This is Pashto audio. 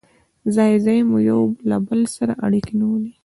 ځای ځای مو یو له بل سره اړيکې نیولې.